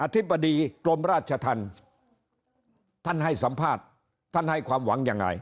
ธิบดีกรมราชธรรมท่านให้สัมภาษณ์ท่านให้ความหวังยังไง